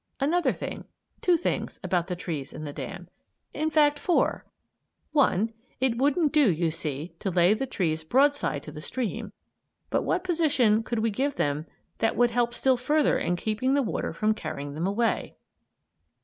Another thing, two things, about the trees in the dam in fact four: 1. It wouldn't do, you see, to lay the trees broadside to the stream, but what position could we give them that would help still further in keeping the water from carrying them away?